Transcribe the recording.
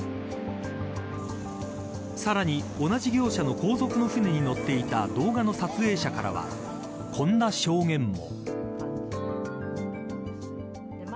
さらに、同じ業者の後続の舟に乗っていた動画の撮影者からはこんな証言も。